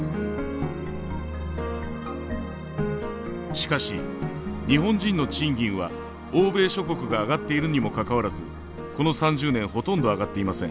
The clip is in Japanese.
しかし日本人の賃金は欧米諸国が上がっているにもかかわらずこの３０年ほとんど上がっていません。